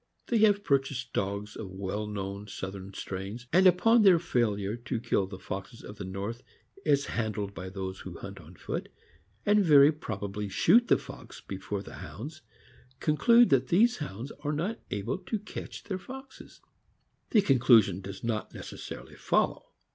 They have purchased dogs of well known Southern strains, and upon their failure to kill the foxes of the North as handled by those who hunt on foot, and very probably shoot the fox before the Hounds, conclude that these Hounds are not able to catch their foxes. The conclusion does not necessarily follow.